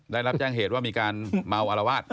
ได้รับแจ้งเหตุว่ามีการเมาอารวาส